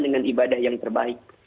dengan ibadah yang terbaik